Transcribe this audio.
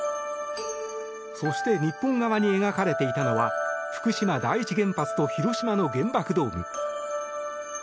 そして日本側に描かれていたのは福島第一原発と広島の原爆ドーム。